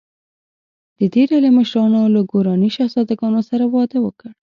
د دې ډلې مشرانو له ګوراني شهزادګانو سره واده وکړ.